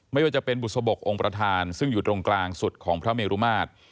ไม่ว่าจะเป็นบุษบกองค์ประธานซึ่งอยู่ตรงกลางสุดของพระเมรุมาตร